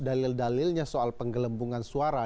dalil dalilnya soal penggelembungan suara